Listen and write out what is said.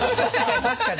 確かに！